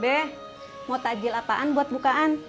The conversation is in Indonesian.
be mau tajil apaan buat bukaan